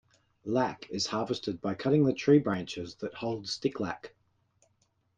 Lac is harvested by cutting the tree branches that hold sticklac.